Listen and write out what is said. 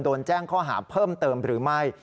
โดนแจ้งข้อหาเพิ่มเติมหรือไม่